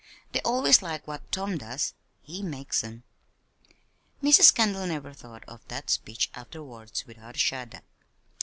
They always like what Tom does he makes 'em." Mrs. Kendall never thought of that speech afterward without a shudder.